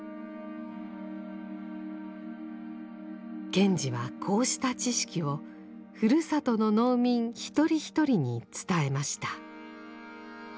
賢治はこうした知識をふるさとの農民一人一人に伝えました。